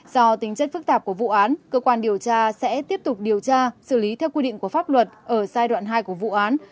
do tính chất phức tạp của vụ án cơ quan điều tra sẽ tiếp tục điều tra xử lý theo quy định của pháp luật ở giai đoạn hai của vụ án